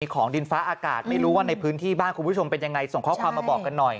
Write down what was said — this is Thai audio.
ของดินฟ้าอากาศไม่รู้ว่าในพื้นที่บ้านคุณผู้ชมเป็นยังไงส่งข้อความมาบอกกันหน่อย